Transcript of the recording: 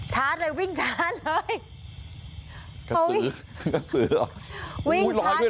ชาร์จเลยวิ่งชาร์จเลย